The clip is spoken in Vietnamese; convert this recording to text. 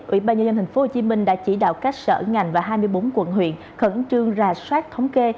ủy ban nhân dân thành phố hồ chí minh đã chỉ đạo các sở ngành và hai mươi bốn quận huyện khẩn trương ra soát thống kê